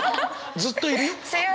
ずっといるよ。